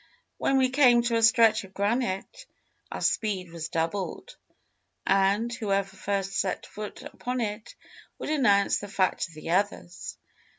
When we came to a stretch of granite, our speed was doubled, and whoever first set foot upon it would announce the fact to the others.